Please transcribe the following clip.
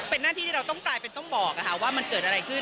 เป็นหน้าที่ที่เราต้องกลายเป็นต้องบอกว่ามันเกิดอะไรขึ้น